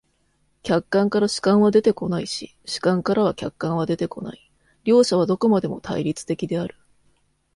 客観からは主観は出てこないし、主観からは客観は出てこない、両者はどこまでも対立的である。